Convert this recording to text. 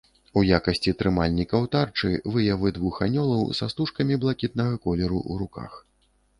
У якасці трымальнікаў тарчы выявы двух анёлаў са стужкамі блакітнага колеру ў руках.